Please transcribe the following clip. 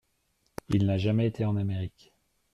Il n’a jamais été en Amérique.